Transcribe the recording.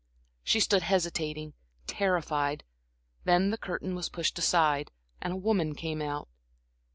She stood hesitating, terrified; then the curtain was pushed aside, and a woman came out.